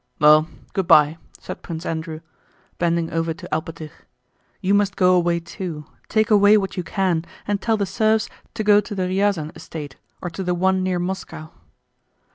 "Well, good by!" said Prince Andrew, bending over to Alpátych. "You must go away too, take away what you can and tell the serfs to go to the Ryazán estate or to the one near Moscow."